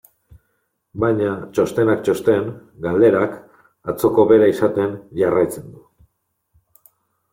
Baina, txostenak txosten, galderak atzoko bera izaten jarraitzen du.